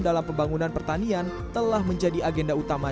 dalam pembangunan pertanian telah menjadi agenda utama